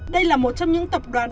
đây là một trong những tập đoàn